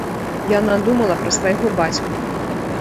Яна думала пра свайго бацьку.